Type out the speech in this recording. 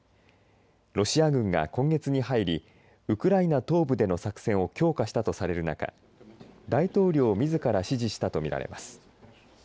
ロシア軍が今月に入りウクライナ東部での作戦を強化したとされる中大統領みずから指示したと見られます。